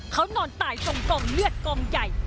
เขานอนตายจมกองเลือดกองใหญ่